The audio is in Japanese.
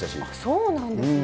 そうなんですね。